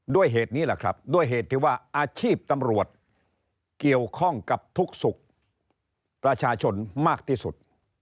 ด้วยเหตุนี้แหละครับด้วยเหตุที่ว่าอาชีพตำรวจเกี่ยวข้องกับทุกสุขประชาชนมากที่สุด